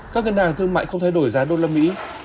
các ngân hàng thương mại không thay đổi giá đô la mỹ